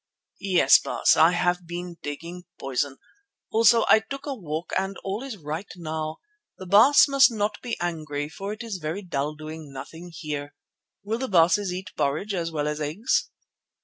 "Yes, Baas, I have been taking poison. Also I took a walk and all is right now. The Baas must not be angry, for it is very dull doing nothing here. Will the Baases eat porridge as well as eggs?"